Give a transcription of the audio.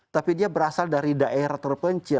tapi dia berasal dari daerah terpencil